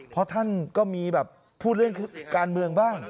เพราะท่านก็มีแบบพูดเรื่องการเมืองบ้าง